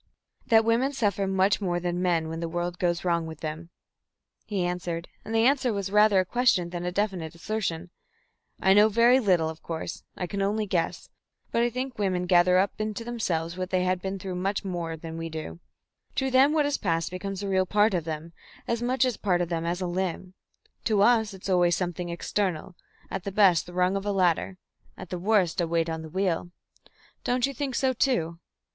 "That women suffer much more than men when the world goes wrong with them," he answered, and the answer was rather a question than a definite assertion. "I know very little, of course. I can only guess. But I think women gather up into themselves what they have been through much more than we do. To them what is past becomes a real part of them, as much a part of them as a limb; to us it's always something external, at the best the rung of a ladder, at the worst a weight on the heel. Don't you think so, too?